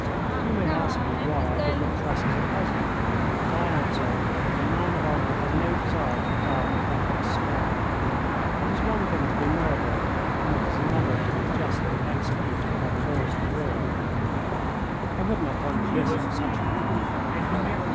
You may ask me why I did not dress as a peasant, but I answer that a man of honour has no desire to die the death of a spy. It is one thing to be murdered, and it is another to be justly executed by the laws of war. I would not run the risk of such an end.